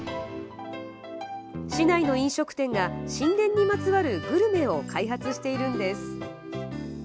市内の飲食店が神殿にまつわるグルメを開発しているんです。